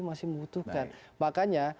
masih membutuhkan makanya